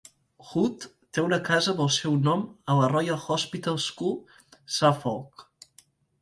Hood té una casa amb el seu nom a la Royal Hospital School, Suffolk.